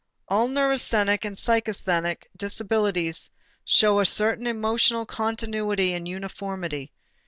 All neurasthenic and psychasthenic disabilities show a certain emotional continuity and uniformity.